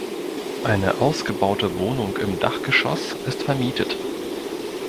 Eine ausgebaute Wohnung im Dachgeschoss ist vermietet.